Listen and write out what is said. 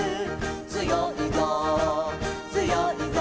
「つよいぞつよいぞ」